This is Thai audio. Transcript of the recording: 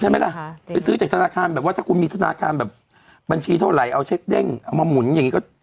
ใช่ไหมล่ะไปซื้อจากธนาคารแบบว่าถ้าคุณมีธนาคารแบบบัญชีเท่าไหร่เอาเช็คเด้งเอามาหมุนอย่างนี้ก็